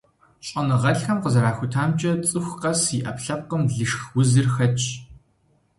ЩӀэныгъэлӀхэм къызэрахутамкӀэ, цӀыху къэс и Ӏэпкълъэпкъым лышх узыр хэтщ.